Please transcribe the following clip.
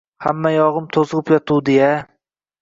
Hammayog‘im to‘zg‘ib yotuvdi-ya...